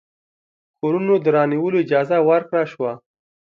کورونو د رانیولو اجازه ورکړه شوه.